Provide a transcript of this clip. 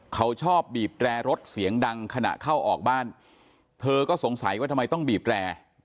เขาชอบบีบแร่รถเสียงดังขณะเข้าออกบ้านเธอก็สงสัยว่าทำไมต้องบีบแร่